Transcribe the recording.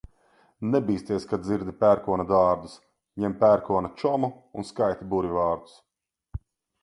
Nebīsties, kad dzirdi pērkona dārdus, ņem pērkona čomu un skaiti burvju vārdus.